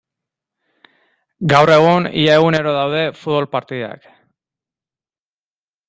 Gaur egun ia egunero daude futbol partidak.